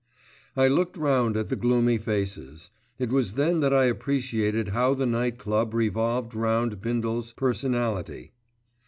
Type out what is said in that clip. I looked round at the gloomy faces. It was then that I appreciated how the Night Club revolved round Bindle's personality.